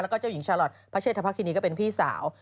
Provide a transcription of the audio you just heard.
แล้วก็เจ้าหญิงชาลอทพระเชษฐภคินีก็เป็นพี่สาว